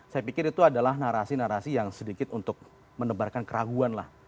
saya pikir itu adalah narasi narasi yang sedikit untuk menebarkan keraguan lah